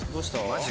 マジ？